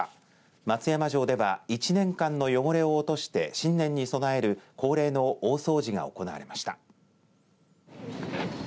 松山城では１年間の汚れを落として新年に備える恒例の大掃除が行われました。